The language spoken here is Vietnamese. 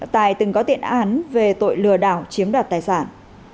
tài từng có tiện án về tội lừa đảo chiếm đặt tài sản